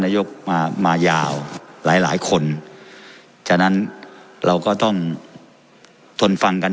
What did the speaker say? ยกมามายาวหลายหลายคนฉะนั้นเราก็ต้องทนฟังกัน